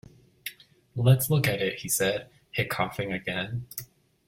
“Let’s look at it,” he said, hiccoughing again.